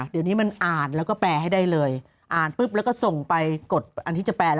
เราก็แปรให้ได้เลยอ่านแล้วก็ส่งไปกดที่จะแปร